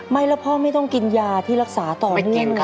ไม่แล้วพ่อไม่ต้องกินยาที่รักษาต่อเนื่อง